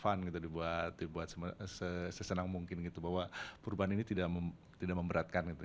perubahan ini dibuat fun dibuat sesenang mungkin bahwa perubahan ini tidak memberatkan